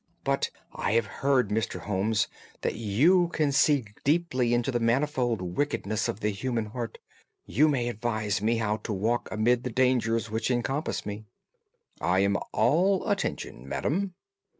But I have heard, Mr. Holmes, that you can see deeply into the manifold wickedness of the human heart. You may advise me how to walk amid the dangers which encompass me." "I am all attention, madam."